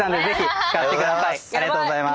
⁉ありがとうございます。